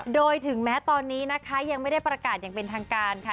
โดยถึงแม้ตอนนี้นะคะยังไม่ได้ประกาศอย่างเป็นทางการค่ะ